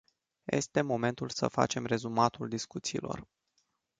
Este momentul să facem rezumatul discuțiilor.